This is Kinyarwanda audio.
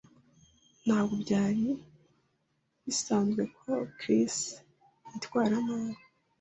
Ntabwo byari bisanzwe ko Chris yitwara nabi.